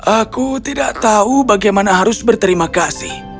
aku tidak tahu bagaimana harus berterima kasih